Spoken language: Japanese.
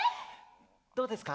どうですか？